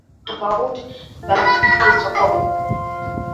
viazi lishe tofauti tofauti vinapatikana masokoni